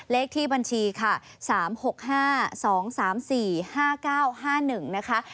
เลขที่บัญชีค่ะ๓๖๕๒๓๔๕๙๕๑นะคะ